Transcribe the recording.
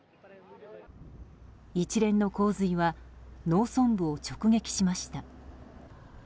一連の洪水は農村部を直撃しました。